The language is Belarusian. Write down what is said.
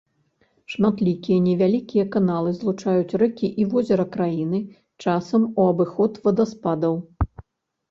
Шматлікія невялікія каналы злучаюць рэкі і возера краіны, часам у абыход вадаспадаў.